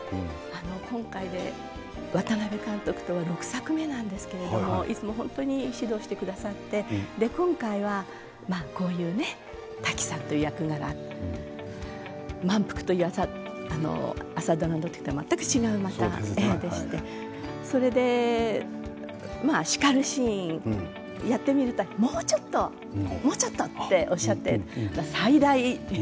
今回で渡邊監督と６作目なんですけどいつも本当に指導してくださって今回はこういうタキさんという役柄「まんぷく」という朝ドラの時と全く違った役でしてそれで叱るシーンをやってみるともうちょっともうちょっとっておっしゃって最大。